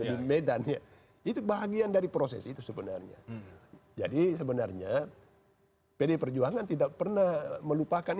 itu bahagian dari proses itu sebenarnya jadi sebenarnya pd perjuangan tidak pernah melupakan